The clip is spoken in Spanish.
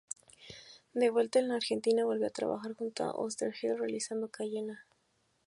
Devuelta en la Argentina, volvió a trabajar junto a Oesterheld realizando "Cayena".